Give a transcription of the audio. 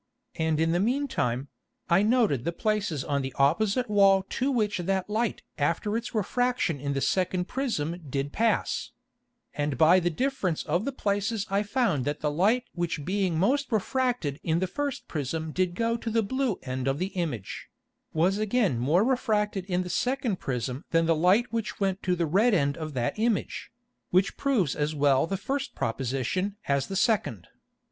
And in the mean time, I noted the places on the opposite Wall to which that Light after its Refraction in the second Prism did pass; and by the difference of the places I found that the Light which being most refracted in the first Prism did go to the blue end of the Image, was again more refracted in the second Prism than the Light which went to the red end of that Image, which proves as well the first Proposition as the second.